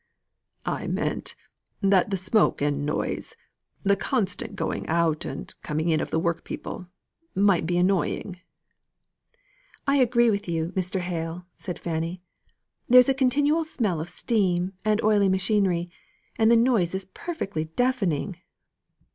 "I meant that the smoke and the noise the constant going out and coming in of the workpeople, might be annoying!" "I agree with you, Mr. Hale!" said Fanny. "There is a continual smell of steam and oily machinery and the noise is perfectly deafening."